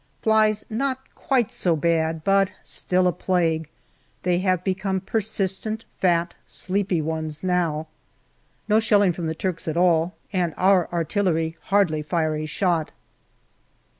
Flies not quite so bad, but still a plague. They have become persistent fat, sleepy ones now. No shelling from the Turks at all, and our artillery hardly fire a shot.